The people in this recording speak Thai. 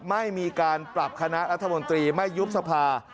ไม่มีการปรับคณะรัฐมนตรีไม่ยุบสภา